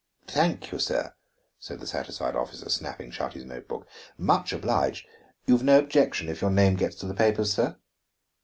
"Thank you, sir," said the satisfied officer, snapping shut his note book. "Much obliged. You've no objection if your name gets to the papers, sir?"